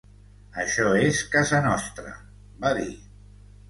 “Això és casa nostra”, va dir.